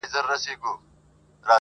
په هرځای کي په خپله نویشته یې الطیفه